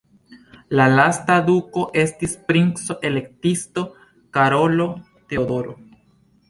La lasta duko estis princo-elektisto Karolo Teodoro.